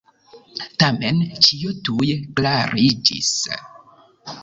Tamen, ĉio tuj klariĝis.